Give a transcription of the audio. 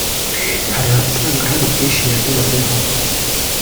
hari abasanga hari byinshi yagezeho